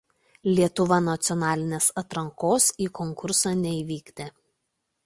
Lietuva nacionalinės atrankos į konkursą nevykdė.